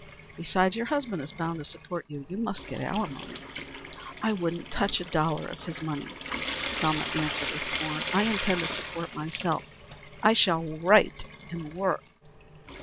Besides your husband is bound to support you. You must get alimony." "I wouldn't touch a dollar of his money," Selma answered with scorn. "I intend to support myself. I shall write work."